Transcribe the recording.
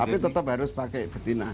tapi tetap harus pakai betina